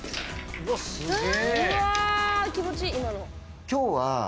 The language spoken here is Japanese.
うわあ気持ちいい今の。